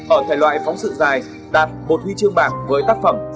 ở thể loại phóng sự dài đạt một huy chương bạc với tác phẩm